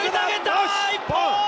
一本！